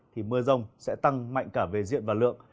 thì mưa rông sẽ tăng mạnh cả về diện và lượng